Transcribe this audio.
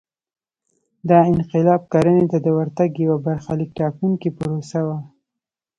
دا انقلاب کرنې ته د ورتګ یوه برخلیک ټاکونکې پروسه وه